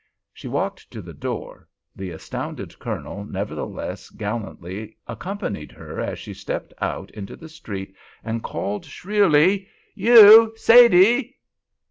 She walked to the door. The astounded Colonel nevertheless gallantly accompanied her as she stepped out into the street and called, shrilly, "You Zaidee!"